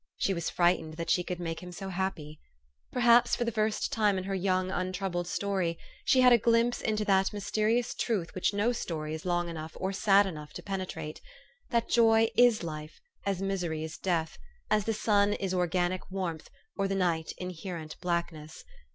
She was frightened that she could make him so happy. Perhaps for the first time in her young, untroubled story, she had a glimpse into that mysterious truth which no story is long enough or sad enough to penetrate, that joy is life, as misery is death, as the sun is organic warmth, or the night inherent blackness.